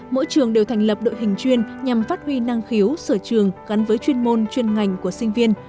mỗi trường đều thành lập đội hình chuyên nhằm phát huy năng khiếu sở trường gắn với chuyên môn chuyên ngành của sinh viên